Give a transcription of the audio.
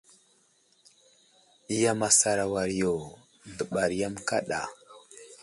Yam asar a war yo, dəɓara yam kaɗa.